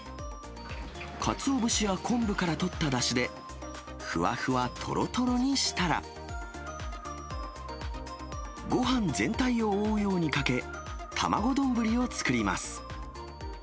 かつお節や昆布から取っただしで、ふわふわとろとろにしたら、ごはん全体を覆うようにかけ、卵丼を作ります。